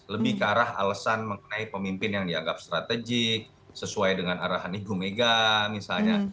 lebih ke arah alasan mengenai pemimpin yang dianggap strategik sesuai dengan arahan ibu mega misalnya